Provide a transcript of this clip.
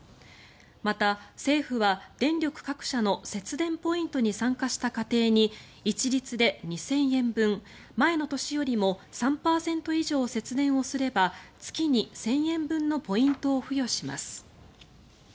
また、政府は電力各社の節電ポイントに参加した家庭に一律で２０００円分前の年よりも３％以上節電をすれば月に１０００円分のポイントを付与します。